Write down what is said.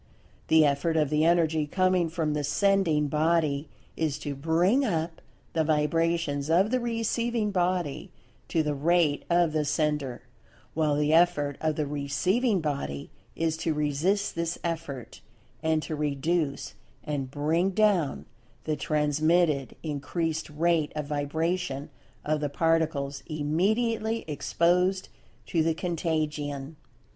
The effort of the Energy coming from the sending Body is to "bring up" the vibrations of the receiving body to the rate of the sender; while the effort of the receiving[Pg 178] body is to resist this effort, and to reduce and "bring down" the transmitted increased rate of vibration of the Particles immediately exposed to the contagion.